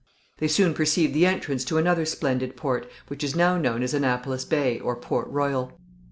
They soon perceived the entrance to another splendid port, which is now known as Annapolis Bay, or Port Royal.